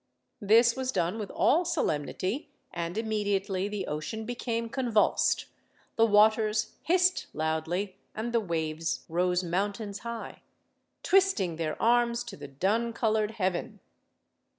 This was done with all solemnity, and immediately the ocean became convulsed, the waters hissed loudly, and the waves rose mountains high, "Twisting their arms to the dun coloured heaven."